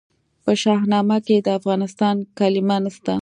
په شاهنامه کې د افغان کلمه نسته.